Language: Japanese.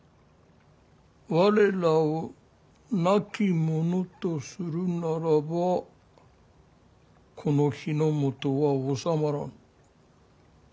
我らを亡き者とするならばこの日本は治まらぬ。